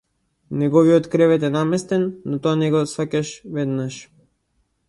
Неговиот кревет е наместен, но тоа не го сфаќаш веднаш.